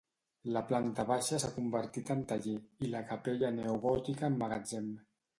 La planta baixa s'ha convertit en taller i la capella neogòtica en magatzem.